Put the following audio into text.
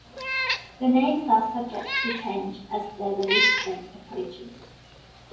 The names are subject to change as their release date approaches.